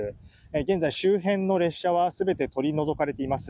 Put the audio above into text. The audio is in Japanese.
現在、周辺の列車は全て取り除かれています。